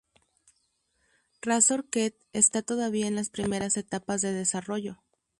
Razor-qt está todavía en las primeras etapas de desarrollo.